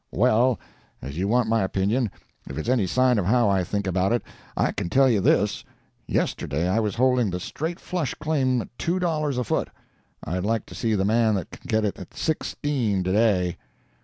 "Well, as you want my opinion if it's any sign of how I think about it, I can tell you this: yesterday I was holding the Straight Flush claim at two dollars a foot; I'd like to see the man that can get it at sixteen today."